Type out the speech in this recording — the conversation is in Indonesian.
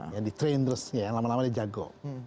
yang di train terus yang lama lama dia jago